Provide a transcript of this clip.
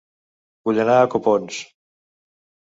Vull anar a Copons